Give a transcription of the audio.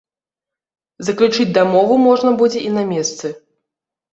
Заключыць дамову можна будзе і на месцы.